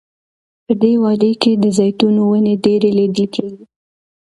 په دې وادۍ کې د زیتونو ونې ډیرې لیدل کیږي.